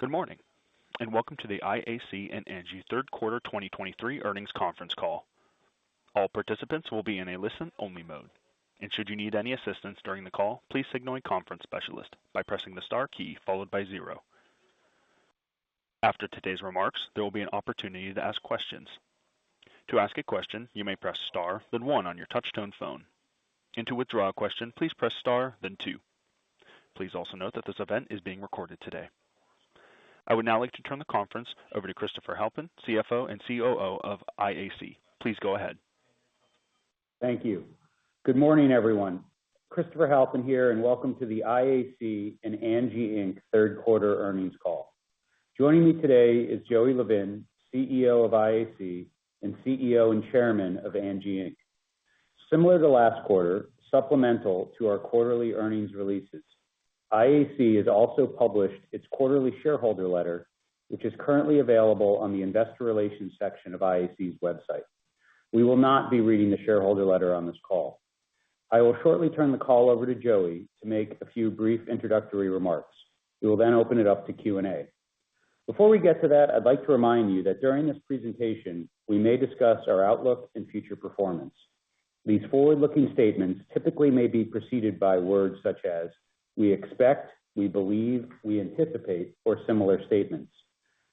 Good morning, and welcome to the IAC and Angi Q3 2023 earnings conference call. All participants will be in a listen-only mode, and should you need any assistance during the call, please signal a conference specialist by pressing the star key followed by zero. After today's remarks, there will be an opportunity to ask questions. To ask a question, you may press star, then one on your touchtone phone. To withdraw a question, please press star, then two. Please also note that this event is being recorded today. I would now like to turn the conference over to Christopher Halpin, CFO and COO of IAC. Please go ahead. Thank you. Good morning, everyone. Christopher Halpin here, and welcome to the IAC and Angi Inc. Q3 earnings call. Joining me today is Joey Levin, CEO of IAC and CEO and Chairman of Angi Inc. Similar to last quarter, supplemental to our quarterly earnings releases, IAC has also published its quarterly shareholder letter, which is currently available on the Investor Relations section of IAC's website. We will not be reading the shareholder letter on this call. I will shortly turn the call over to Joey to make a few brief introductory remarks. We will then open it up to Q&A. Before we get to that, I'd like to remind you that during this presentation, we may discuss our outlook and future performance. These forward-looking statements typically may be preceded by words such as: we expect, we believe, we anticipate, or similar statements.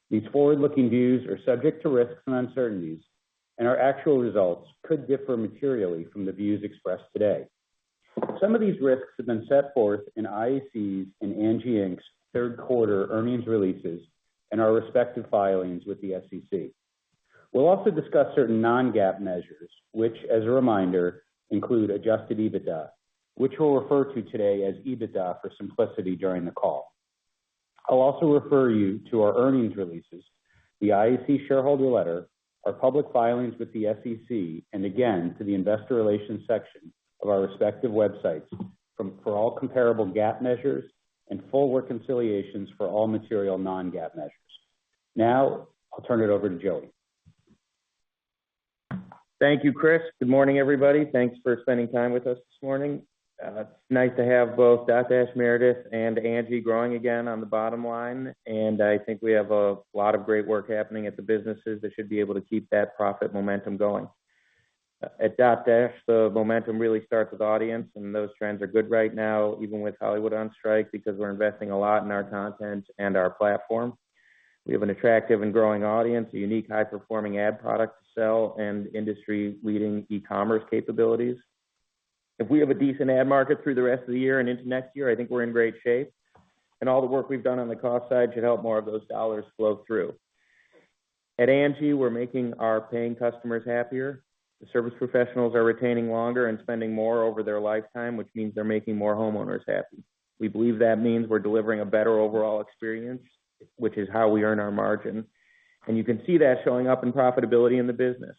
These forward-looking views are subject to risks and uncertainties, and our actual results could differ materially from the views expressed today. Some of these risks have been set forth in IAC's and Angi Inc.'s Q3 earnings releases and our respective filings with the SEC. We'll also discuss certain non-GAAP measures, which, as a reminder, include adjusted EBITDA, which we'll refer to today as EBITDA for simplicity during the call. I'll also refer you to our earnings releases, the IAC shareholder letter, our public filings with the SEC, and again, to the investor relations section of our respective websites for all comparable GAAP measures and full reconciliations for all material non-GAAP measures. Now I'll turn it over to Joey. Thank you, Chris. Good morning, everybody. Thanks for spending time with us this morning. It's nice to have both Dotdash Meredith and Angi growing again on the bottom line, and I think we have a lot of great work happening at the businesses that should be able to keep that profit momentum going. At Dotdash, the momentum really starts with audience, and those trends are good right now, even with Hollywood on strike, because we're investing a lot in our content and our platform. We have an attractive and growing audience, a unique, high-performing ad product to sell, and industry-leading e-commerce capabilities. If we have a decent ad market through the rest of the year and into next year, I think we're in great shape, and all the work we've done on the cost side should help more of those dollars flow through. At Angi, we're making our paying customers happier. The service professionals are retaining longer and spending more over their lifetime, which means they're making more homeowners happy. We believe that means we're delivering a better overall experience, which is how we earn our margin, and you can see that showing up in profitability in the business.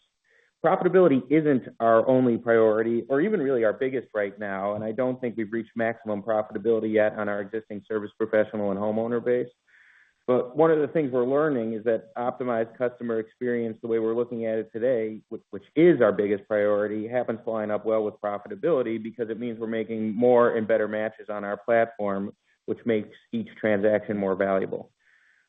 Profitability isn't our only priority or even really our biggest right now, and I don't think we've reached maximum profitability yet on our existing service professional and homeowner base. But one of the things we're learning is that optimized customer experience, the way we're looking at it today, which is our biggest priority, happens flying up well with profitability because it means we're making more and better matches on our platform, which makes each transaction more valuable.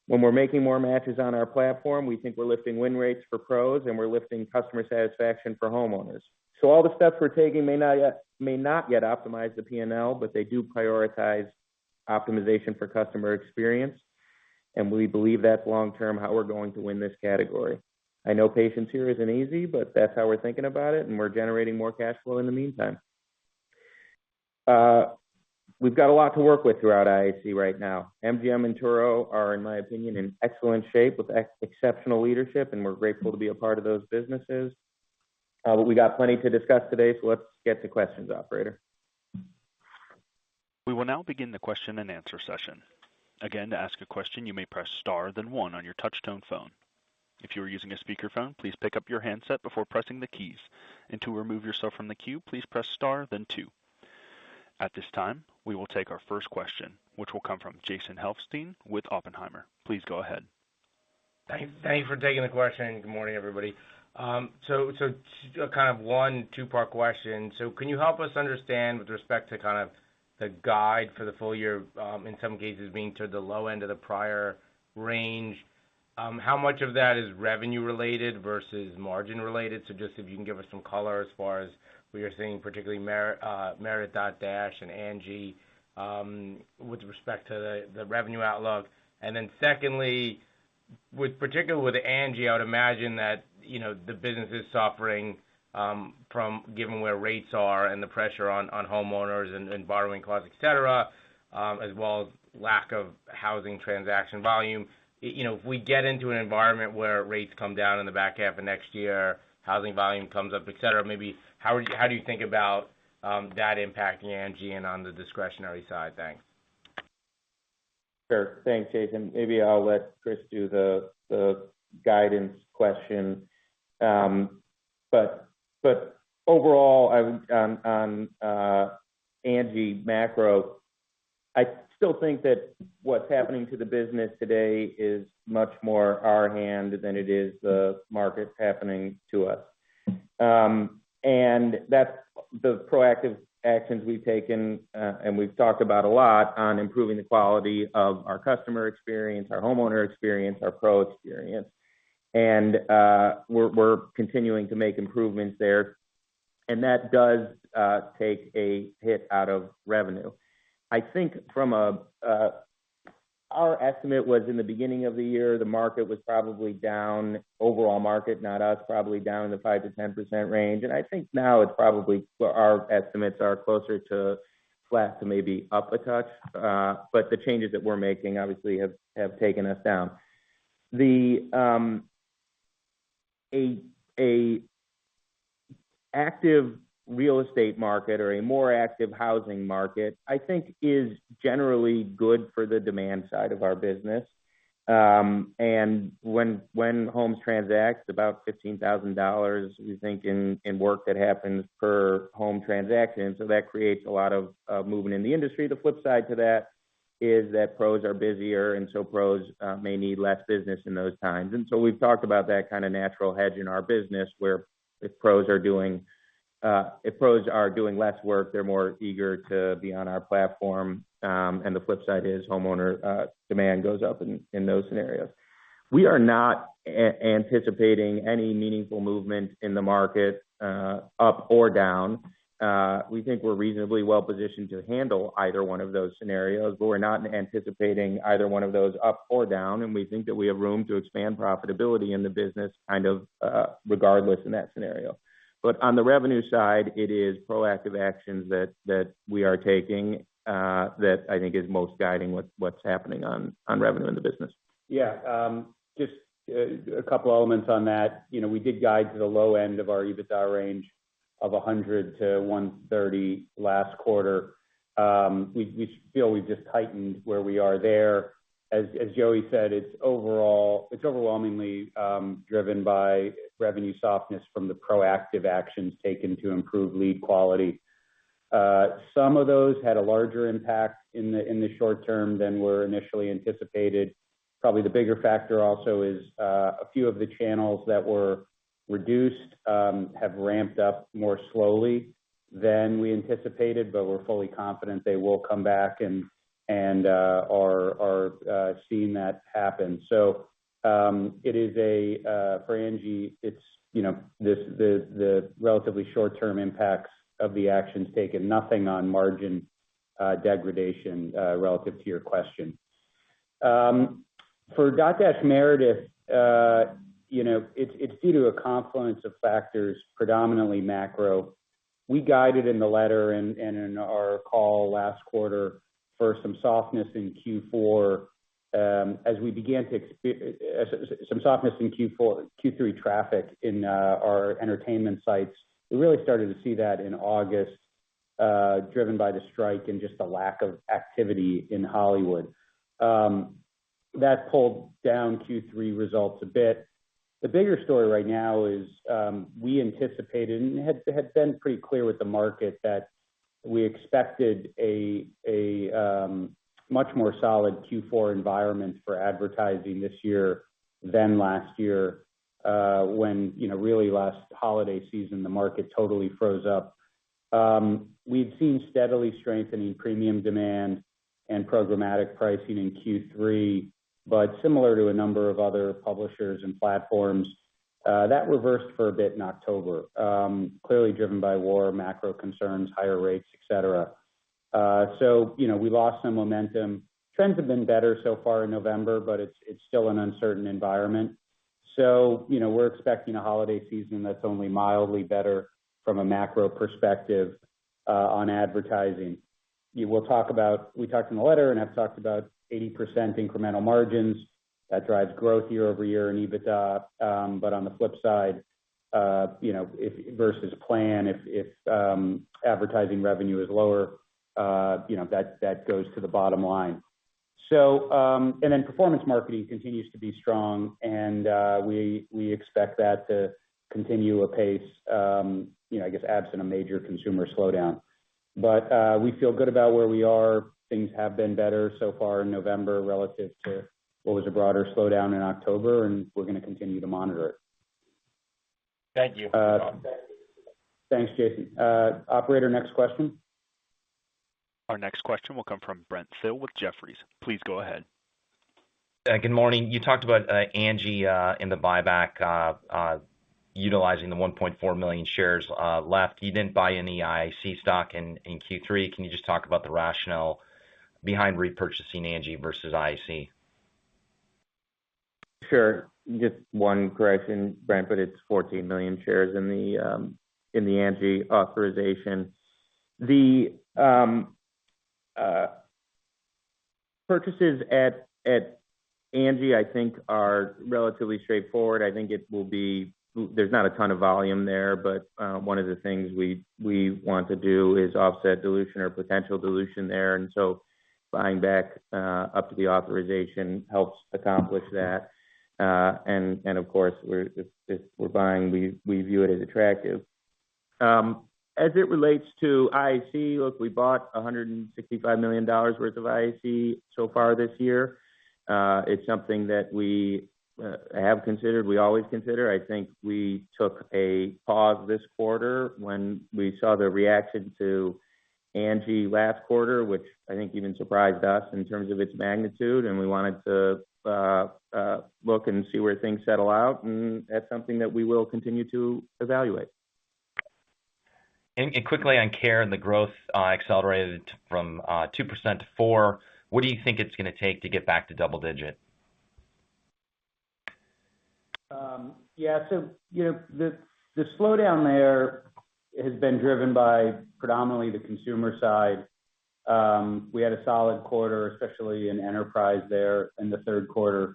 When we're making more matches on our platform, we think we're lifting win rates for pros, and we're lifting customer satisfaction for homeowners. So all the steps we're taking may not yet, may not yet optimize the P&L, but they do prioritize optimization for customer experience, and we believe that's long-term how we're going to win this category. I know patience here isn't easy, but that's how we're thinking about it, and we're generating more cash flow in the meantime. We've got a lot to work with throughout IAC right now. MGM and Turo are, in my opinion, in excellent shape with exceptional leadership, and we're grateful to be a part of those businesses. But we got plenty to discuss today, so let's get to questions, operator. We will now begin the question-and-answer session. Again, to ask a question, you may press star, then one on your touchtone phone. If you are using a speakerphone, please pick up your handset before pressing the keys, and to remove yourself from the queue, please press star, then two. At this time, we will take our first question, which will come from Jason Helfstein with Oppenheimer. Please go ahead. Thank you for taking the question, and good morning, everybody. So kind of a two-part question. So can you help us understand with respect to kind of the guide for the full year, in some cases being toward the low end of the prior range, how much of that is revenue related versus margin related? So just if you can give us some color as far as we are seeing, particularly Dotdash Meredith and Angi, with respect to the revenue outlook. And then secondly, with, particularly with Angi, I would imagine that, you know, the business is suffering, from given where rates are and the pressure on homeowners and borrowing costs, et cetera, as well as lack of housing transaction volume. You know, if we get into an environment where rates come down in the back half of next year, housing volume comes up, et cetera, maybe how do you think about that impacting Angi and on the discretionary side? Thanks. Sure. Thanks, Jason. Maybe I'll let Chris do the guidance question. But overall, on Angi macro, I still think that what's happening to the business today is much more our hand than it is the markets happening to us. And that's the proactive actions we've taken, and we've talked about a lot on improving the quality of our customer experience, our homeowner experience, our Pro experience. And we're continuing to make improvements there, and that does take a hit out of revenue. I think from our estimate was in the beginning of the year, the market was probably down, overall market, not us, probably down in the 5%-10% range. And I think now it's probably our estimates are closer to flat, to maybe up a touch. But the changes that we're making obviously have taken us down. The active real estate market or a more active housing market, I think is generally good for the demand side of our business. And when homes transact about $15,000, we think in work that happens per home transaction. So that creates a lot of movement in the industry. The flip side to that is that pros are busier, and so pros may need less business in those times. And so we've talked about that kind of natural hedge in our business, where if pros are doing less work, they're more eager to be on our platform. And the flip side is homeowner demand goes up in those scenarios. We are not anticipating any meaningful movement in the market, up or down. We think we're reasonably well positioned to handle either one of those scenarios, but we're not anticipating either one of those up or down, and we think that we have room to expand profitability in the business, kind of, regardless in that scenario. But on the revenue side, it is proactive actions that that we are taking that I think is most guiding what's what's happening on on revenue in the business. Yeah. Just, a couple elements on that. You know, we did guide to the low end of our EBITDA range of 100-130 last quarter. We feel we've just tightened where we are there. As Joey said, it's overall, it's overwhelmingly, driven by revenue softness from the proactive actions taken to improve lead quality. Some of those had a larger impact in the, in the short term than were initially anticipated. Probably the bigger factor also is, a few of the channels that were reduced, have ramped up more slowly than we anticipated, but we're fully confident they will come back and are seeing that happen. So, for Angi, it's, you know, the relatively short-term impacts of the actions taken, nothing on margin degradation, relative to your question. For Dotdash Meredith, you know, it's due to a confluence of factors, predominantly macro. We guided in the letter and in our call last quarter for some softness in Q4, as we began to see some softness in Q3 traffic in our entertainment sites. We really started to see that in August, driven by the strike and just the lack of activity in Hollywood. That pulled down Q3 results a bit. The bigger story right now is, we anticipated and had been pretty clear with the market that we expected a much more solid Q4 environment for advertising this year than last year, when, you know, really last holiday season, the market totally froze up. We've seen steadily strengthening premium demand and programmatic pricing in Q3, but similar to a number of other publishers and platforms, that reversed for a bit in October, clearly driven by war, macro concerns, higher rates, et cetera. So, you know, we lost some momentum. Trends have been better so far in November, but it's still an uncertain environment. So, you know, we're expecting a holiday season that's only mildly better from a macro perspective on advertising. We'll talk about. We talked in the letter, and I've talked about 80% incremental margins. That drives growth year over year in EBITDA. But on the flip side, you know, if versus plan, if advertising revenue is lower, you know, that goes to the bottom line. So, and then performance marketing continues to be strong, and we expect that to continue apace, you know, I guess, absent a major consumer slowdown. But we feel good about where we are. Things have been better so far in November relative to what was a broader slowdown in October, and we're going to continue to monitor it. Thank you. Thanks, Jason. Operator, next question. Our next question will come from Brent Thill with Jefferies. Please go ahead. Good morning. You talked about Angi in the buyback utilizing the 1.4 million shares left. You didn't buy any IAC stock in Q3. Can you just talk about the rationale behind repurchasing Angi versus IAC? Sure. Just one correction, Brent, but it's 14 million shares in the, in the Angi authorization. The purchases at, at Angi, I think, are relatively straightforward. I think it will be. There's not a ton of volume there, but, one of the things we, we want to do is offset dilution or potential dilution there, and so buying back, up to the authorization helps accomplish that. And, of course, we're, if, if we're buying, we, we view it as attractive. As it relates to IAC, look, we bought $165 million worth of IAC so far this year. It's something that we have considered. We always consider. I think we took a pause this quarter when we saw the reaction to- Angi last quarter, which I think even surprised us in terms of its magnitude, and we wanted to look and see where things settle out, and that's something that we will continue to evaluate. And quickly on Care and the growth accelerated from 2% to 4%. What do you think it's gonna take to get back to double digit? Yeah, so, you know, the slowdown there has been driven by predominantly the consumer side. We had a solid quarter, especially in enterprise there in the Q3.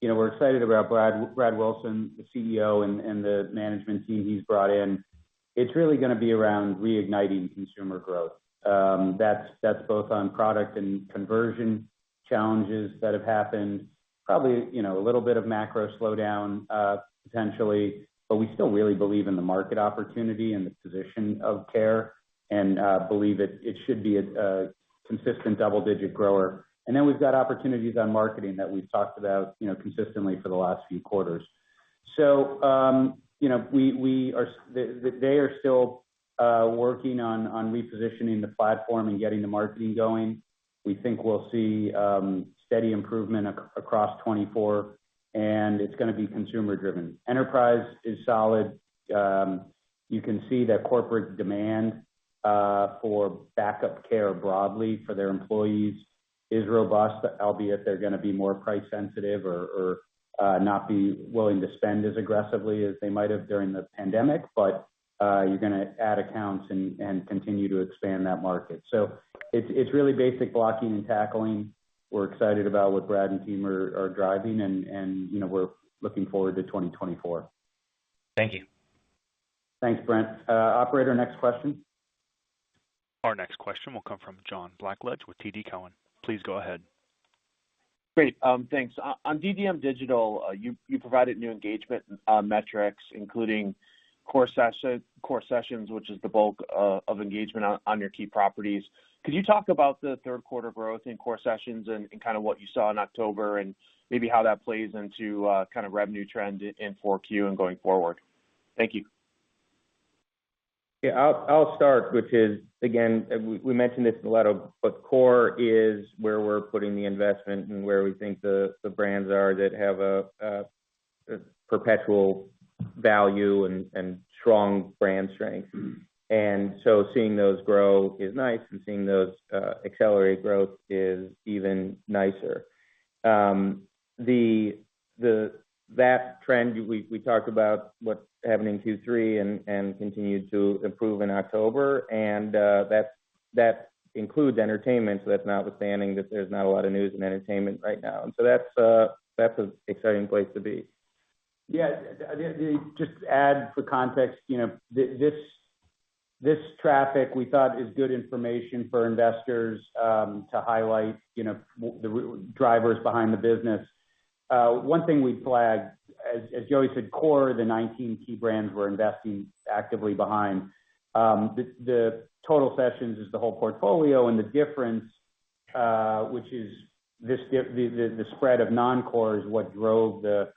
You know, we're excited about Brad Wilson, the CEO, and the management team he's brought in. It's really gonna be around reigniting consumer growth. That's both on product and conversion challenges that have happened. Probably, you know, a little bit of macro slowdown, potentially, but we still really believe in the market opportunity and the position of Care, and believe it should be a consistent double-digit grower. And then we've got opportunities on marketing that we've talked about, you know, consistently for the last few quarters. So, you know, we are. They are still working on repositioning the platform and getting the marketing going. We think we'll see steady improvement across 2024, and it's gonna be consumer driven. Enterprise is solid. You can see that corporate demand for backup care broadly for their employees is robust, albeit they're gonna be more price sensitive or not be willing to spend as aggressively as they might have during the pandemic, but you're gonna add accounts and continue to expand that market. So it's really basic blocking and tackling. We're excited about what Brad and team are driving and, you know, we're looking forward to 2024. Thank you. Thanks, Brent. Operator, next question. Our next question will come from John Blackledge with TD Cowen. Please go ahead. Great, thanks. On DDM Digital, you provided new engagement metrics, including core sessions, which is the bulk of engagement on your key properties. Could you talk about the Q3 growth in core sessions and kind of what you saw in October, and maybe how that plays into kind of revenue trend in Q4 and going forward? Thank you. Yeah, I'll start, which is, again, we mentioned this in the letter, but core is where we're putting the investment and where we think the brands are that have a perpetual value and strong brand strength. And so seeing those grow is nice, and seeing those accelerate growth is even nicer. That trend, we talked about what happened in Q3 and continued to improve in October. And that includes entertainment, so that's notwithstanding that there's not a lot of news in entertainment right now. And so that's an exciting place to be. Yeah. Just to add for context, you know, this traffic, we thought, is good information for investors to highlight, you know, the drivers behind the business. One thing we flagged, as Joey said, core, the 19 key brands we're investing actively behind. The total sessions is the whole portfolio, and the difference, which is the spread of non-core, is what drove the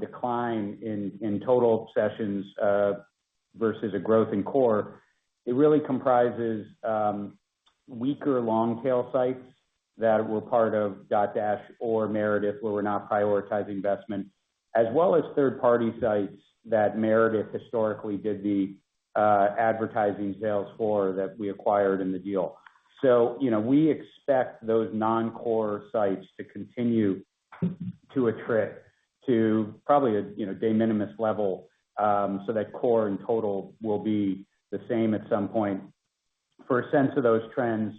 decline in total sessions versus a growth in core. It really comprises weaker long tail sites that were part of Dotdash or Meredith, where we're not prioritizing investment, as well as third-party sites that Meredith historically did the advertising sales for that we acquired in the deal. So, you know, we expect those non-core sites to continue to attrit to probably a, you know, de minimis level, so that core and total will be the same at some point. For a sense of those trends,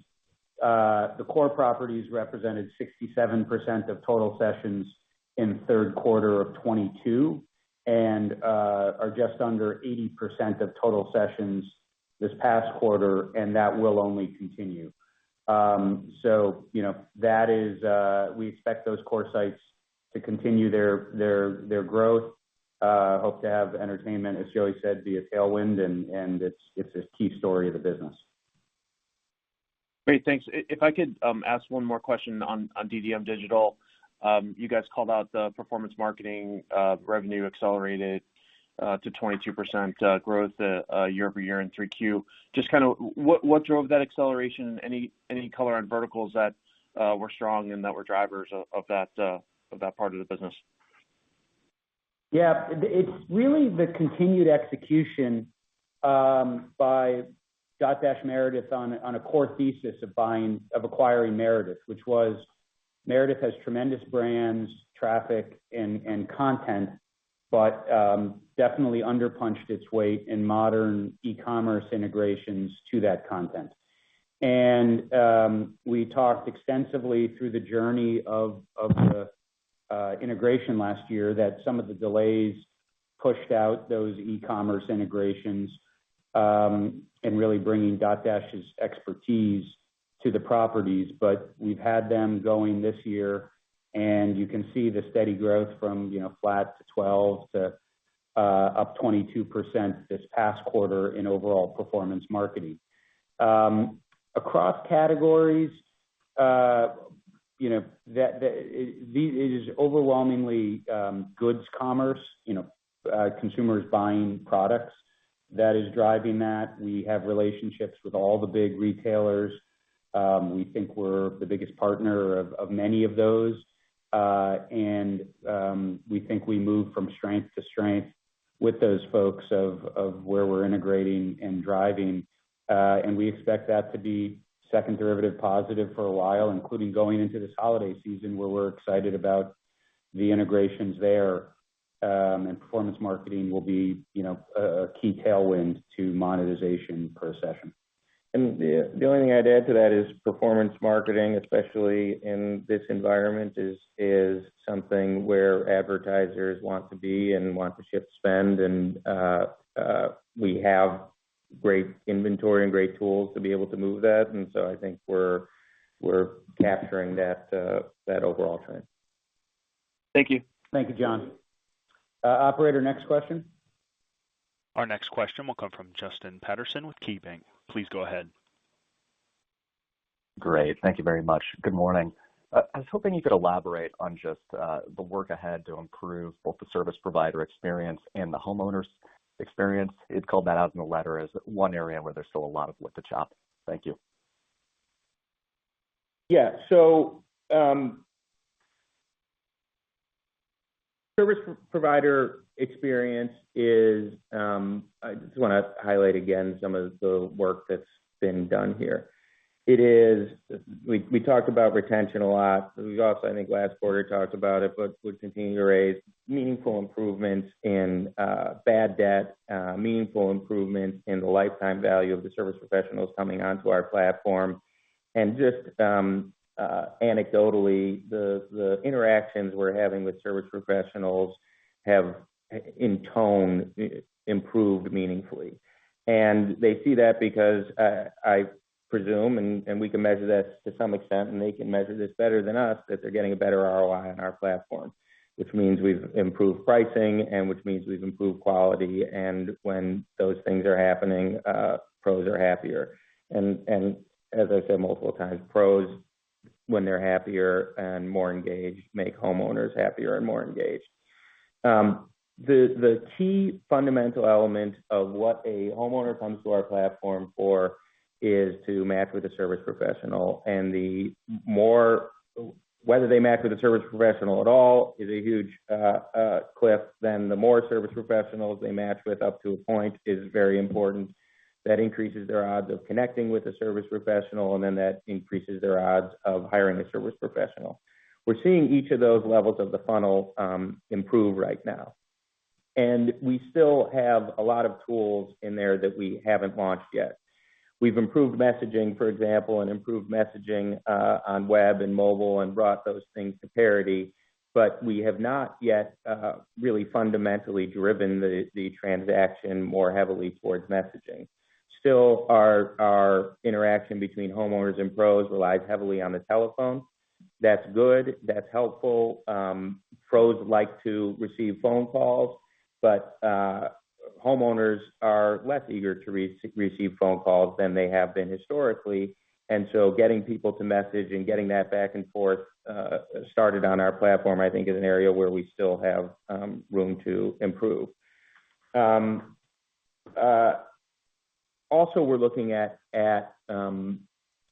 the core properties represented 67% of total sessions in the Q3 2022, and are just under 80% of total sessions this past quarter, and that will only continue. So, you know, that is we expect those core sites to continue their growth. Hope to have entertainment, as Joey said, be a tailwind, and it's a key story of the business. Great, thanks. If I could ask one more question on DDM Digital. You guys called out the performance marketing revenue accelerated to 22% growth year-over-year in Q3. Just kind of what drove that acceleration? Any color on verticals that were strong and that were drivers of that part of the business? Yeah. It's really the continued execution by Dotdash Meredith on a core thesis of buying, of acquiring Meredith, which was Meredith has tremendous brands, traffic, and content, but definitely underpunched its weight in modern e-commerce integrations to that content. And we talked extensively through the journey of the integration last year, that some of the delays pushed out those e-commerce integrations and really bringing Dotdash's expertise to the properties. But we've had them going this year, and you can see the steady growth from, you know, flat to 12% to up 22% this past quarter in overall performance marketing. Across categories, You know, that it is overwhelmingly goods commerce, you know, consumers buying products that is driving that. We have relationships with all the big retailers. We think we're the biggest partner of many of those. And we think we move from strength to strength with those folks of where we're integrating and driving. And we expect that to be second derivative positive for a while, including going into this holiday season, where we're excited about the integrations there. And performance marketing will be, you know, a key tailwind to monetization per session. And the only thing I'd add to that is performance marketing, especially in this environment, is something where advertisers want to be and want to shift spend, and we have great inventory and great tools to be able to move that. And so I think we're capturing that overall trend. Thank you. Thank you, John. Operator, next question. Our next question will come from Justin Patterson with KeyBanc. Please go ahead. Great. Thank you very much. Good morning. I was hoping you could elaborate on just, the work ahead to improve both the service provider experience and the homeowner's experience. You'd called that out in the letter as one area where there's still a lot of wood to chop. Thank you. Yeah. So, service provider experience is. I just wanna highlight again some of the work that's been done here. It is. We talked about retention a lot. We also, I think, last quarter talked about it, but we continue to raise meaningful improvements in bad debt, meaningful improvements in the lifetime value of the service professionals coming onto our platform. And just anecdotally, the interactions we're having with service professionals have in tone improved meaningfully. And they see that because I presume, and we can measure that to some extent, and they can measure this better than us, that they're getting a better ROI on our platform, which means we've improved pricing and which means we've improved quality. And when those things are happening, pros are happier. As I said multiple times, pros, when they're happier and more engaged, make homeowners happier and more engaged. The key fundamental element of what a homeowner comes to our platform for is to match with a service professional. And the more whether they match with a service professional at all is a huge cliff, then the more service professionals they match with, up to a point, is very important. That increases their odds of connecting with a service professional, and then that increases their odds of hiring a service professional. We're seeing each of those levels of the funnel improve right now. And we still have a lot of tools in there that we haven't launched yet. We've improved messaging, for example, and improved messaging on web and mobile and brought those things to parity, but we have not yet really fundamentally driven the transaction more heavily towards messaging. Still, our interaction between homeowners and pros relies heavily on the telephone. That's good. That's helpful. Pros like to receive phone calls, but homeowners are less eager to receive phone calls than they have been historically. And so getting people to message and getting that back and forth started on our platform, I think, is an area where we still have room to improve. Also, we're looking at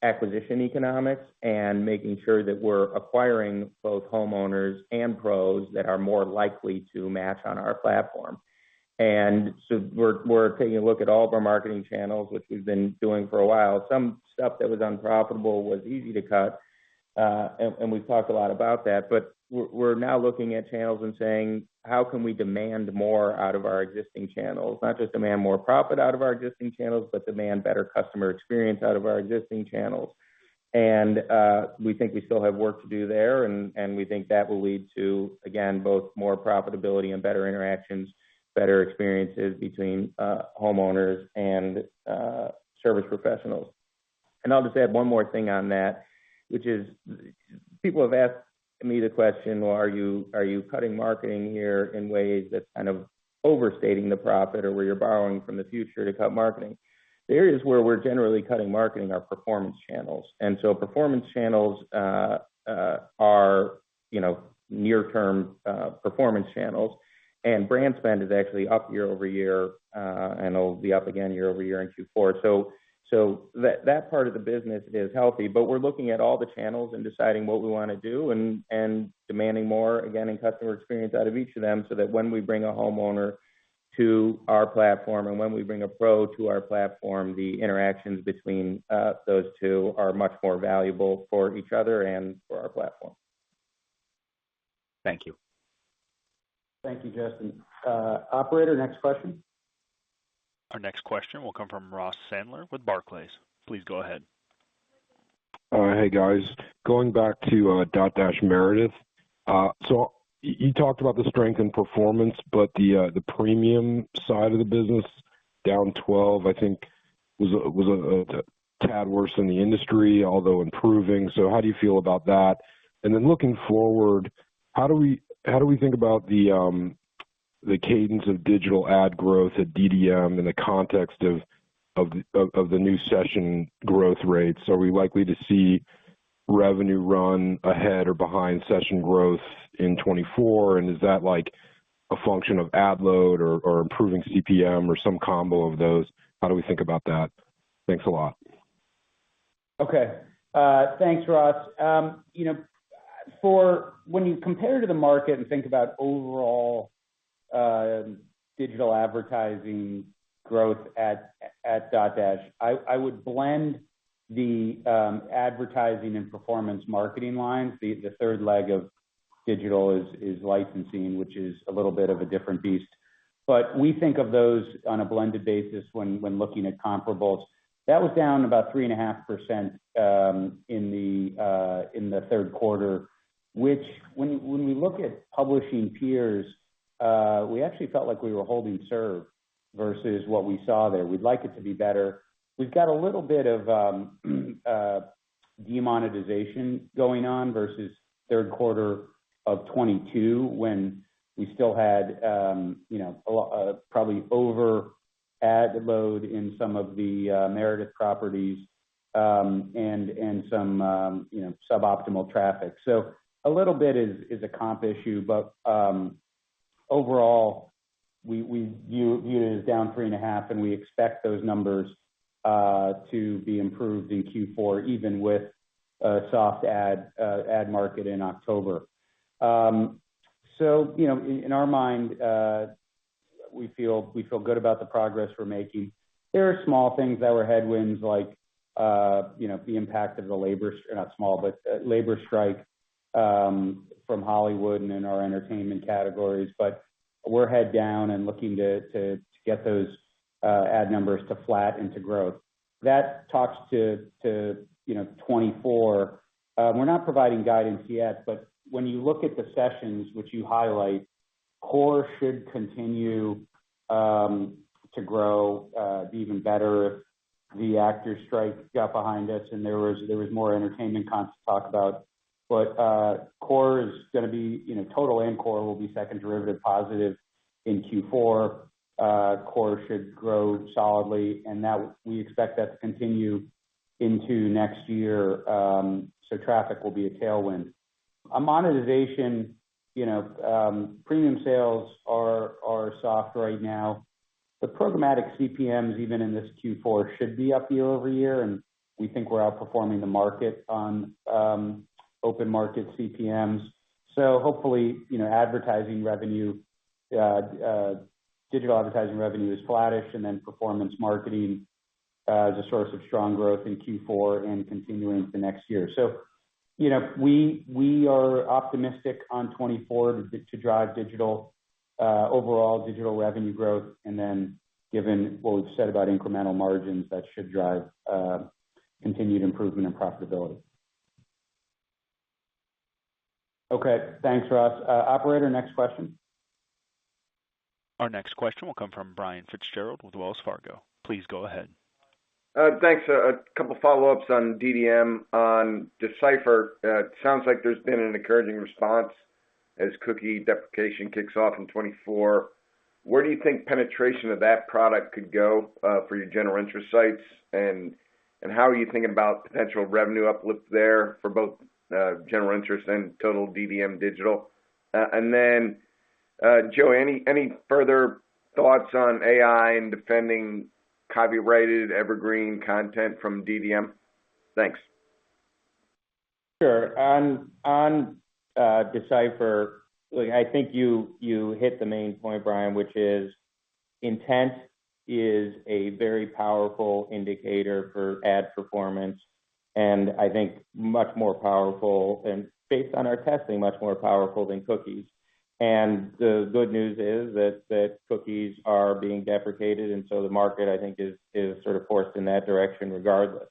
acquisition economics and making sure that we're acquiring both homeowners and pros that are more likely to match on our platform. We're taking a look at all of our marketing channels, which we've been doing for a while. Some stuff that was unprofitable was easy to cut, and we've talked a lot about that. But we're now looking at channels and saying: How can we demand more out of our existing channels? Not just demand more profit out of our existing channels, but demand better customer experience out of our existing channels. And we think we still have work to do there, and we think that will lead to, again, both more profitability and better interactions, better experiences between homeowners and service professionals. I'll just add one more thing on that, which is people have asked me the question, well, are you, are you cutting marketing here in ways that's kind of overstating the profit or where you're borrowing from the future to cut marketing? The areas where we're generally cutting marketing are performance channels. And so performance channels, are, you know, near term, performance channels, and brand spend is actually up year-over-year, and it'll be up again year-over-year in Q4. So, so that, that part of the business is healthy. But we're looking at all the channels and deciding what we want to do and demanding more, again, in customer experience out of each of them, so that when we bring a homeowner to our platform and when we bring a pro to our platform, the interactions between those two are much more valuable for each other and for our platform. Thank you. Thank you, Justin. Operator, next question. Our next question will come from Ross Sandler with Barclays. Please go ahead. Hey, guys. Going back to Dotdash Meredith. So you talked about the strength in performance, but the premium side of the business down 12%, I think, was a tad worse than the industry, although improving. So how do you feel about that? And then looking forward, how do we think about the cadence of digital ad growth at DDM in the context of the new session growth rates? Are we likely to see revenue run ahead or behind session growth in 2024? And is that like a function of ad load or improving CPM or some combo of those? How do we think about that? Thanks a lot. Okay. Thanks, Ross. You know, for when you compare to the market and think about overall digital advertising growth at Dotdash, I would blend the advertising and performance marketing lines. The third leg of digital is licensing, which is a little bit of a different beast. But we think of those on a blended basis when looking at comparables. That was down about 3.5% in the Q3, which when we look at publishing peers, we actually felt like we were holding serve versus what we saw there. We'd like it to be better. We've got a little bit of demonetization going on versus Q3 of 2022, when we still had, you know, a lot, probably over ad load in some of the Meredith properties, and some, you know, suboptimal traffic. So a little bit is a comp issue, but, overall, we view it as down 3.5, and we expect those numbers to be improved in Q4, even with a soft ad market in October. So, you know, in our mind, we feel good about the progress we're making. There are small things that were headwinds, like, you know, the impact of the labor. Not small, but labor strike, from Hollywood and in our entertainment categories. But we're head down and looking to get those ad numbers to flat into growth. That talks to, you know, 2024. We're not providing guidance yet, but when you look at the sessions which you highlight, core should continue to grow even better if the actors strike got behind us and there was more entertainment content to talk about. But core is gonna be, you know, total and core will be second derivative positive in Q4. Core should grow solidly, and that we expect that to continue into next year, so traffic will be a tailwind. On monetization, you know, premium sales are soft right now. The programmatic CPMs, even in this Q4, should be up year-over-year, and we think we're outperforming the market on open market CPMs. So hopefully, you know, advertising revenue, digital advertising revenue is flattish, and then performance marketing is a source of strong growth in Q4 and continuing into next year. So, you know, we are optimistic on 2024 to drive digital, overall digital revenue growth, and then given what we've said about incremental margins, that should drive continued improvement in profitability. Okay. Thanks, Ross. Operator, next question. Our next question will come from Brian Fitzgerald with Wells Fargo. Please go ahead. Thanks. A couple follow-ups on DDM. On D/Cipher, it sounds like there's been an encouraging response as cookie deprecation kicks off in 2024. Where do you think penetration of that product could go, for your general interest sites? And, and how are you thinking about potential revenue uplift there for both, general interest and total DDM Digital? And then, Joe, any, any further thoughts on AI and defending copyrighted evergreen content from DDM? Thanks. Sure. On D/Cipher, look, I think you hit the main point, Brian, which is intent is a very powerful indicator for ad performance, and I think much more powerful and based on our testing, much more powerful than cookies. And the good news is that cookies are being deprecated, and so the market, I think, is sort of forced in that direction regardless.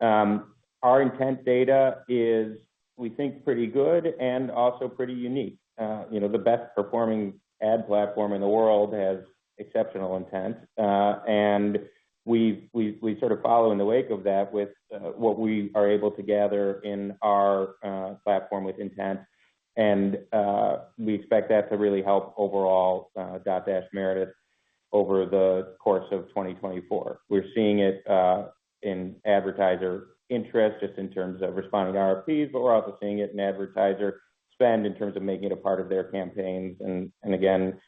Our intent data is, we think, pretty good and also pretty unique. You know, the best performing ad platform in the world has exceptional intent, and we sort of follow in the wake of that with what we are able to gather in our platform with intent. And we expect that to really help overall Dotdash Meredith over the course of 2024. We're seeing it in advertiser interest, just in terms of responding to RFPs, but we're also seeing it in advertiser spend in terms of making it a part of their campaigns. And, and again,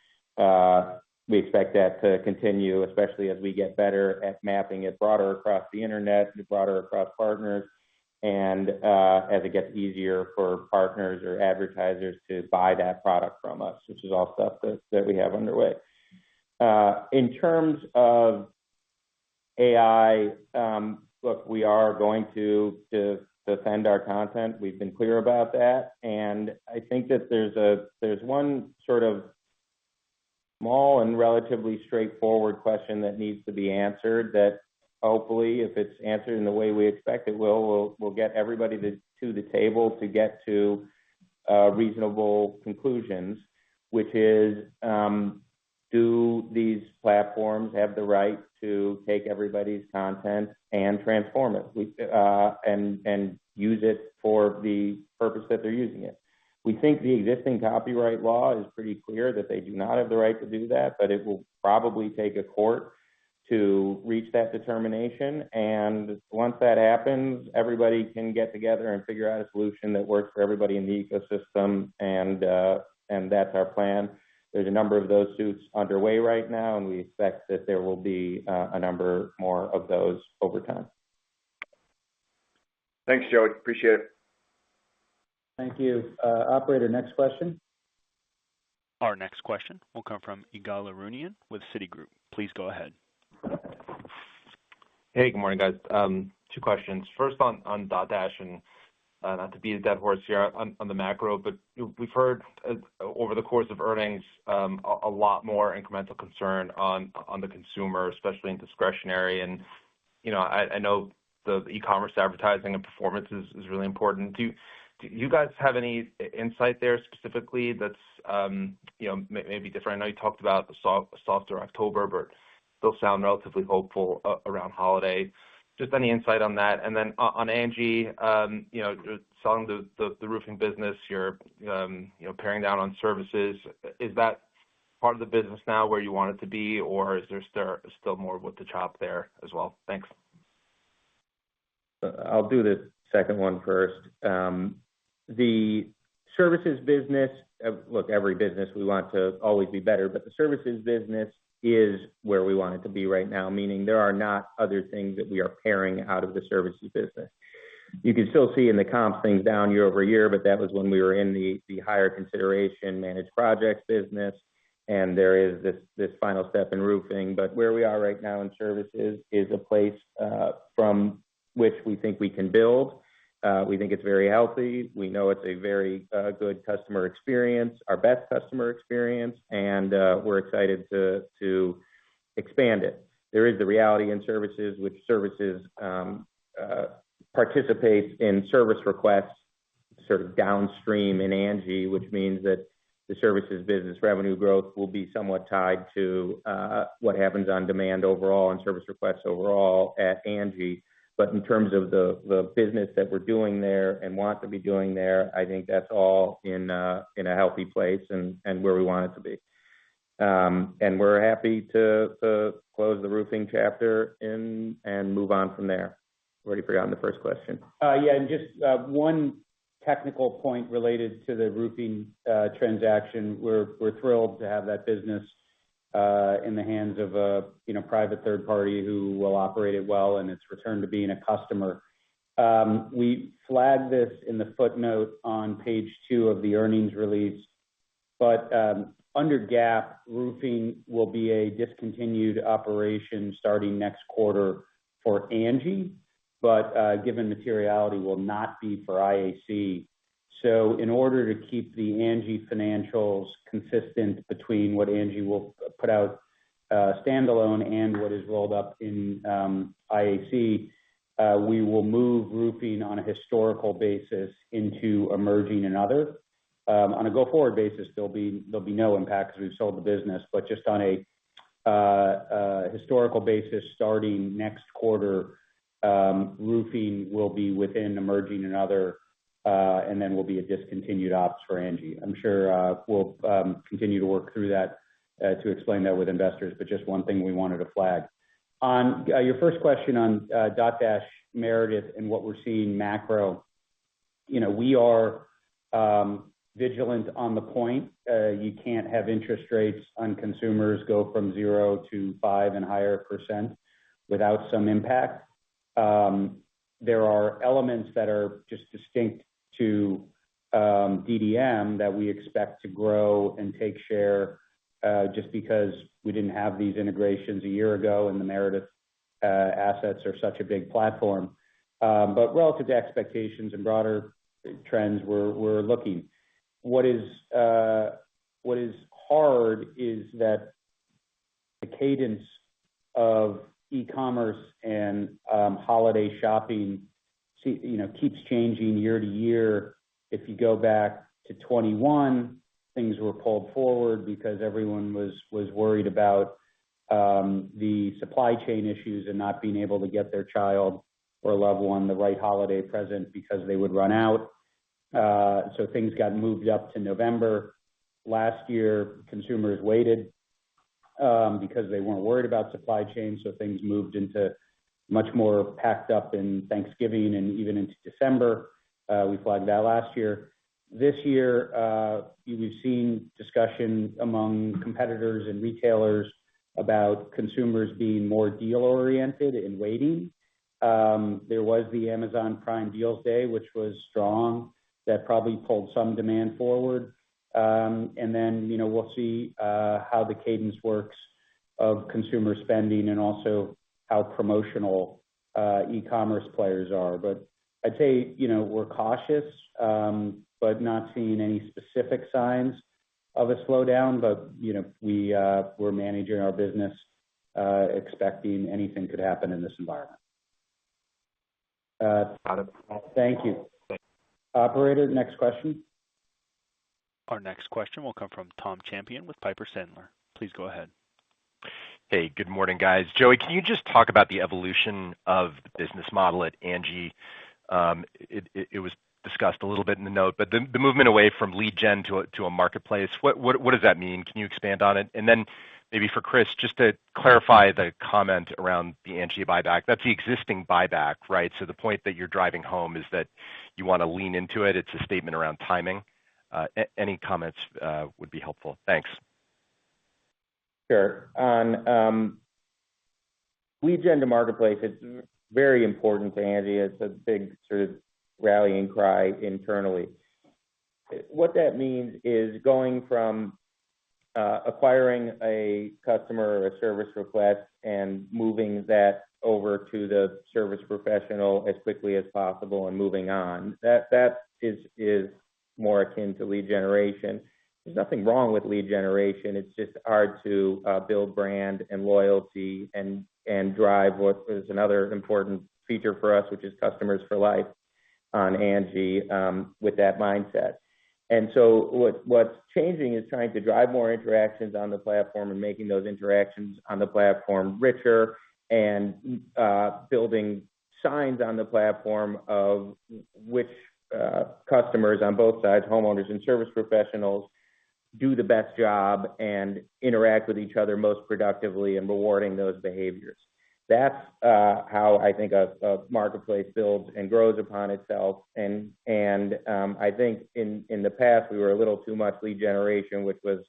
we expect that to continue, especially as we get better at mapping it broader across the internet and broader across partners, and, as it gets easier for partners or advertisers to buy that product from us, which is all stuff that, that we have underway. In terms of AI, look, we are going to defend our content. We've been clear about that, and I think that there's one sort of small and relatively straightforward question that needs to be answered, that hopefully, if it's answered in the way we expect it will, we'll get everybody to the table to get to reasonable conclusions, which is, do these platforms have the right to take everybody's content and transform it and use it for the purpose that they're using it. We think the existing copyright law is pretty clear that they do not have the right to do that, but it will probably take a court to reach that determination. And once that happens, everybody can get together and figure out a solution that works for everybody in the ecosystem, and that's our plan. There's a number of those suits underway right now, and we expect that there will be a number more of those over time. Thanks, Joey. Appreciate it. Thank you. Operator, next question. Our next question will come from Ygal Arounian with Citigroup. Please go ahead. Hey, good morning, guys. Two questions. First on Dotdash, and not to beat a dead horse here on the macro, but we've heard over the course of earnings a lot more incremental concern on the consumer, especially in discretionary. And, you know, I know the e-commerce advertising and performance is really important. Do you guys have any insight there specifically that's, you know, maybe different? I know you talked about a softer October, but still sound relatively hopeful around holiday. Just any insight on that. And then on Angi, you know, selling the roofing business, you're, you know, paring down on services. Is that part of the business now where you want it to be, or is there still more work to chop there as well? Thanks. I'll do the second one first. The services business, look, every business we want to always be better, but the services business is where we want it to be right now, meaning there are not other things that we are paring out of the services business. You can still see in the comp things down year-over-year, but that was when we were in the higher consideration managed projects business, and there is this final step in roofing. But where we are right now in services is a place from which we think we can build. We think it's very healthy. We know it's a very good customer experience, our best customer experience, and we're excited to expand it. There is the reality in services, which services participates in service requests sort of downstream in Angi, which means that the services business revenue growth will be somewhat tied to what happens on demand overall and service requests overall at Angi. But in terms of the business that we're doing there and want to be doing there, I think that's all in a healthy place and where we want it to be. And we're happy to close the roofing chapter and move on from there. I've already forgotten the first question. Yeah, and just one technical point related to the roofing transaction. We're thrilled to have that business in the hands of a you know private third party who will operate it well, and it's returned to being a customer. We flagged this in the footnote on page two of the earnings release, but under GAAP, roofing will be a discontinued operation starting next quarter for Angi, but given materiality will not be for IAC. So in order to keep the Angi financials consistent between what Angi will put out standalone and what is rolled up in IAC, we will move roofing on a historical basis into emerging and other. On a go-forward basis, there'll be no impact because we've sold the business, but just on a historical basis, starting next quarter, roofing will be within emerging and other, and then will be a discontinued ops for Angi. I'm sure we'll continue to work through that to explain that with investors, but just one thing we wanted to flag. On your first question on Dotdash, Meredith, and what we're seeing macro, you know, we are vigilant on the point. You can't have interest rates on consumers go from 0% - 5% and higher without some impact. There are elements that are just distinct to DDM that we expect to grow and take share, just because we didn't have these integrations a year ago, and the Meredith assets are such a big platform. But relative to expectations and broader trends, we're looking. What is hard is that the cadence of e-commerce and holiday shopping, you know, keeps changing year to year. If you go back to 2021, things were pulled forward because everyone was worried about the supply chain issues and not being able to get their child or loved one the right holiday present because they would run out. So things got moved up to November. Last year, consumers waited because they weren't worried about supply chain, so things moved into much more packed up in Thanksgiving and even into December. We flagged that last year. This year, we've seen discussions among competitors and retailers about consumers being more deal-oriented and waiting. There was the Amazon Prime Deals Day, which was strong. That probably pulled some demand forward. And then, you know, we'll see how the cadence works of consumer spending and also how promotional e-commerce players are. But I'd say, you know, we're cautious, but not seeing any specific signs of a slowdown. But, you know, we're managing our business, expecting anything could happen in this environment Thank you. Operator, next question. Our next question will come from Tom Champion with Piper Sandler. Please go ahead. Hey, good morning, guys. Joey, can you just talk about the evolution of the business model at Angi? It was discussed a little bit in the note, but the movement away from lead gen to a marketplace, what does that mean? Can you expand on it? And then maybe for Chris, just to clarify the comment around the Angi buyback. That's the existing buyback, right? So the point that you're driving home is that you want to lean into it. It's a statement around timing. Any comments would be helpful. Thanks. Sure. On lead gen to marketplace, it's very important to Angi. It's a big sort of rallying cry internally. What that means is going from acquiring a customer or a service request and moving that over to the service professional as quickly as possible and moving on. That is more akin to lead generation. There's nothing wrong with lead generation. It's just hard to build brand and loyalty and drive what is another important feature for us, which is customers for life on Angi with that mindset. And so what's changing is trying to drive more interactions on the platform and making those interactions on the platform richer and building signs on the platform of which customers on both sides, homeowners and service professionals, do the best job and interact with each other most productively and rewarding those behaviors. That's how I think a marketplace builds and grows upon itself. And I think in the past, we were a little too much lead generation, which was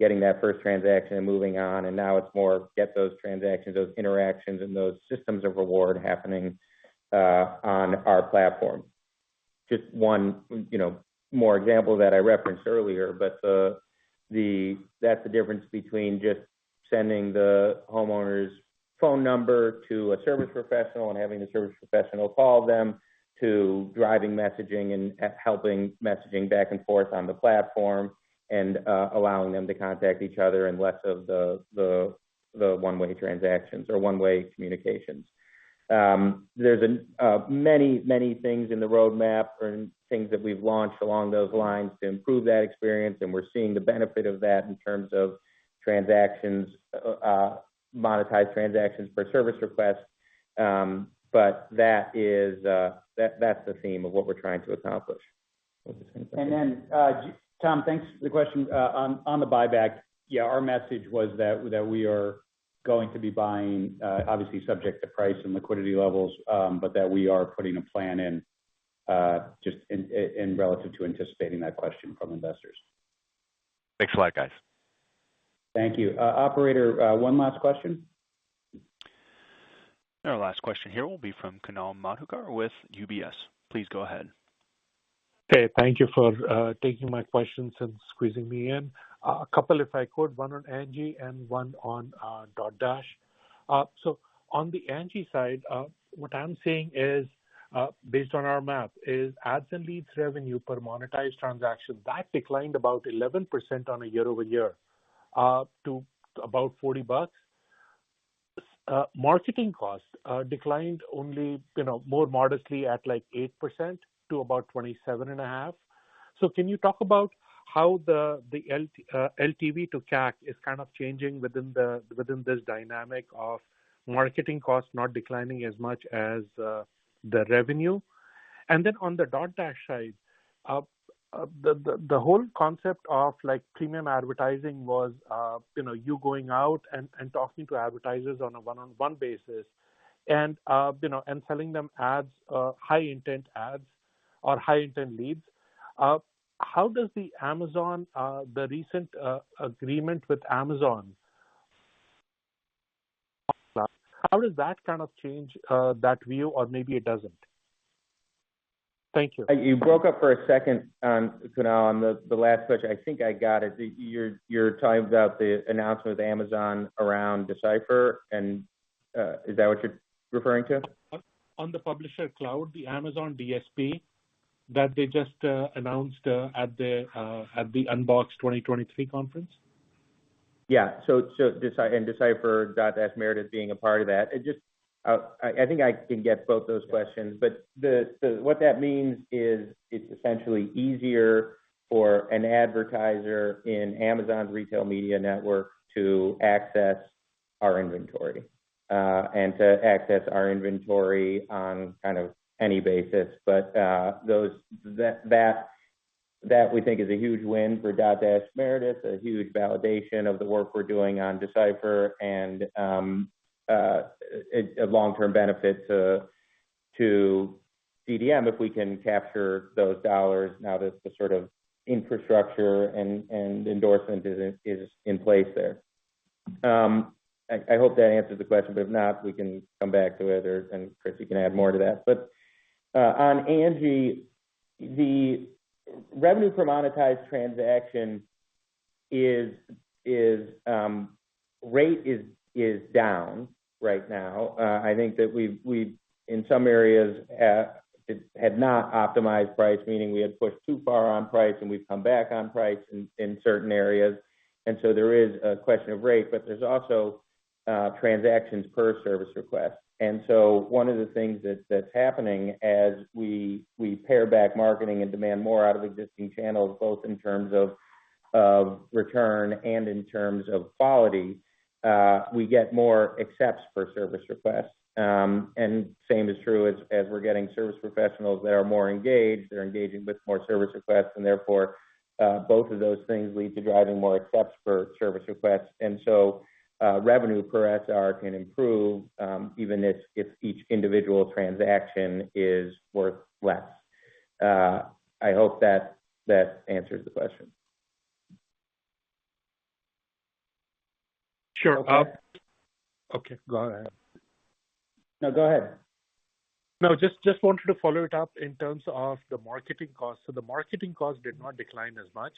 getting that first transaction and moving on, and now it's more get those transactions, those interactions, and those systems of reward happening on our platform. Just one, you know, more example that I referenced earlier, but that's the difference between just sending the homeowner's phone number to a service professional and having the service professional call them, to driving messaging and helping messaging back and forth on the platform and allowing them to contact each other and less of the one-way transactions or one-way communications. There's a many, many things in the roadmap and things that we've launched along those lines to improve that experience, and we're seeing the benefit of that in terms of transactions, monetized transactions per service request. But that is, that's the theme of what we're trying to accomplish. Was it? And then, Tom, thanks for the question. On the buyback, yeah, our message was that we are going to be buying, obviously subject to price and liquidity levels, but that we are putting a plan in, just in relative to anticipating that question from investors. Thanks a lot, guys. Thank you. Operator, one last question. Our last question here will be from Kunal Madhukar with UBS. Please go ahead. Hey, thank you for taking my questions and squeezing me in. A couple, if I could, one on Angi and one on Dotdash. So on the Angi side, what I'm seeing is, based on our math, is ads and leads revenue per monetized transaction that declined about 11% on a year-over-year to about $40. Marketing costs declined only, you know, more modestly at, like, 8% to about $27.5. So can you talk about how the LTV to CAC is kind of changing within this dynamic of marketing costs not declining as much as the revenue? And then on the Dotdash side, the whole concept of, like, premium advertising was, you know, you going out and talking to advertisers on a one-on-one basis and, you know, selling them ads, high intent ads or high intent leads. How does the Amazon the recent agreement with Amazon? How does that kind of change that view, or maybe it doesn't? Thank you. You broke up for a second, Kunal, on the last question. I think I got it. You're talking about the announcement with Amazon around D/Cipher, and is that what you're referring to? On the Publisher Cloud, the Amazon DSP, that they just announced at the UnBoxed 2023 conference. Yeah. So D/Cipher, Dotdash Meredith, being a part of that. It just, I think I can get both those questions, but the what that means is it's essentially easier for an advertiser in Amazon's retail media network to access our inventory and to access our inventory on kind of any basis. But that we think is a huge win for Dotdash Meredith, a huge validation of the work we're doing on D/Cipher and a long-term benefit to DDM if we can capture those dollars now that the sort of infrastructure and endorsement is in place there. I hope that answers the question, but if not, we can come back to it, or Chris, you can add more to that. But on Angi, the revenue per monetized transaction rate is down right now. I think that we've in some areas had not optimized price, meaning we had pushed too far on price and we've come back on price in certain areas. And so there is a question of rate, but there's also transactions per service request. And so one of the things that's happening as we pare back marketing and demand more out of existing channels, both in terms of return and in terms of quality, we get more accepts per service request. And same is true as we're getting service professionals that are more engaged, they're engaging with more service requests, and therefore both of those things lead to driving more accepts per service requests. And so, revenue per SR can improve, even if each individual transaction is worth less. I hope that answers the question. Sure. Okay, go ahead. No, go ahead. No, just wanted to follow it up in terms of the marketing costs. So the marketing costs did not decline as much,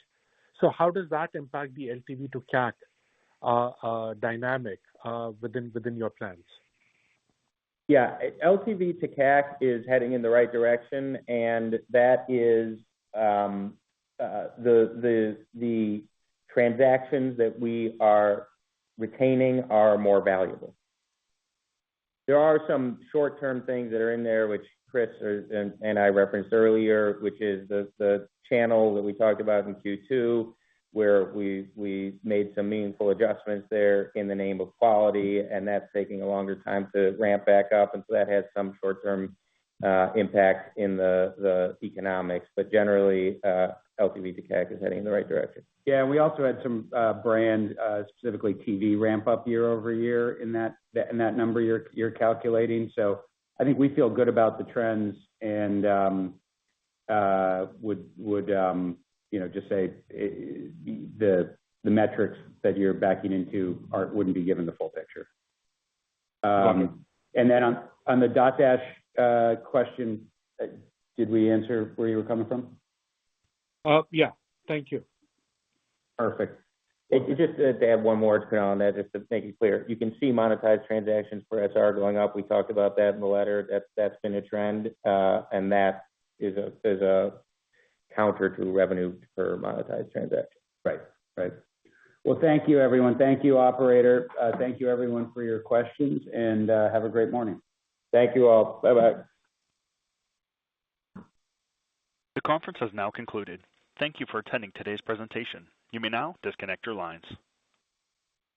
so how does that impact the LTV to CAC dynamic within your plans? Yeah. LTV to CAC is heading in the right direction, and that is, the transactions that we are retaining are more valuable. There are some short-term things that are in there, which Chris and I referenced earlier, which is the channel that we talked about in Q2, where we made some meaningful adjustments there in the name of quality, and that's taking a longer time to ramp back up, and so that had some short-term impact in the economics. But generally, LTV to CAC is heading in the right direction. Yeah, and we also had some brand, specifically TV ramp up year-over-year in that number you're calculating. So I think we feel good about the trends and would, you know, just say the metrics that you're backing into aren't wouldn't be giving the full picture. Got it. And then on the Dotdash question, did we answer where you were coming from? Yeah. Thank you. Perfect. Just to add one more to put on that, just to make it clear. You can see monetized transactions for SR going up. We talked about that in the letter. That's, that's been a trend, and that is a, is a counter to revenue per monetized transaction. Right. Right. Well, thank you, everyone. Thank you, operator. Thank you everyone for your questions, and have a great morning. Thank you all. Bye-bye. The conference has now concluded. Thank you for attending today's presentation. You may now disconnect your lines.